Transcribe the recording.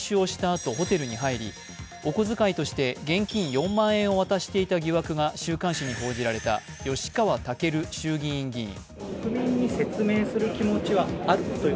あとホテルに入り、お小遣いとして現金４万円を渡していた疑惑が週刊誌に報じられた吉川赳衆院議員。